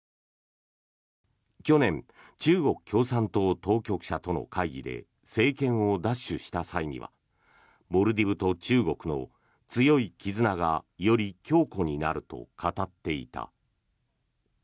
去年中国共産党当局者との会議で政権を奪取した際にはモルディブと中国の強い絆がより強固になると語っていた。